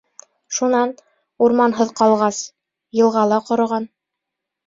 Шунан, урманһыҙ ҡалғас, йылға ла ҡороған.